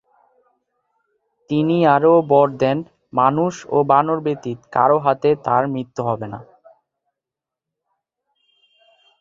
তিনি আরও বর দেন মানুষ ও বানর ব্যতীত কারো হাতে তার মৃত্যু হবে না।